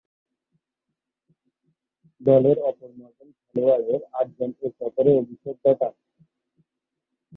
দলের অপর নয়জন খেলোয়াড়ের আটজন এ সফরে অভিষেক ঘটান।